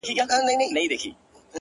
• یوه بل ته یې کتل دواړه حیران سول,